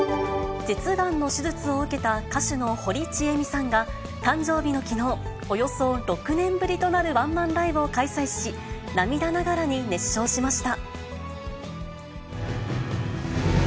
舌がんの手術を受けた歌手の堀ちえみさんが、誕生日のきのう、およそ６年ぶりとなるワンマンライブを開催し、涙ながらに熱唱しました。